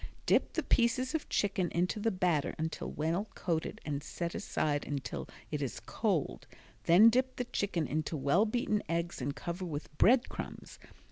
Dip the pieces of chicken into the batter until well coated and set aside until it is cold. Then dip the chicken into well beaten eggs and cover with bread crumbs.